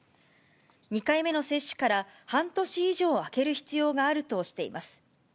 ２回目の接種から半年以上空ける必要があるとしています。